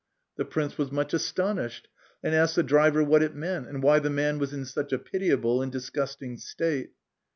The prince was much astonished, and asked the driver what it meant, and why the man was in such a pitiable and disgusting state.